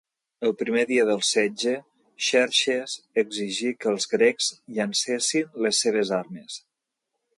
El primer dia del setge, Xerxes exigí que els grecs llancessin les seves armes.